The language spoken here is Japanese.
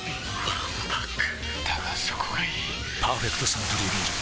わんぱくだがそこがいい「パーフェクトサントリービール糖質ゼロ」